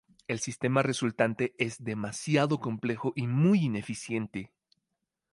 El sistema resultante es demasiado complejo y muy ineficiente.